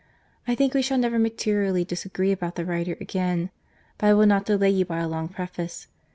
—I think we shall never materially disagree about the writer again; but I will not delay you by a long preface.